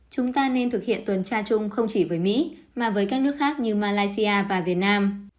chúng ta nên thực hiện tuần tra chung không chỉ với mỹ mà với các nước khác như malaysia và việt nam